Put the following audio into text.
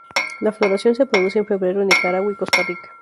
La floración se produce en febrero en Nicaragua y Costa Rica.